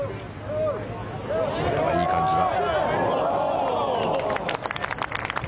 これはいい感じだ。